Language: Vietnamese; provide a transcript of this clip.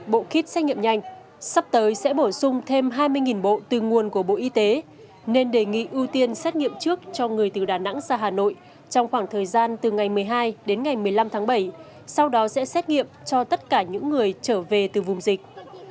hai mươi bộ từ nguồn của bộ y tế nên đề nghị ưu tiên xét nghiệm trước cho người từ đà nẵng ra hà nội trong khoảng thời gian từ ngày một mươi hai đến ngày một mươi năm tháng bảy sau đó sẽ xét nghiệm cho tất cả những người trở về từ vùng dịch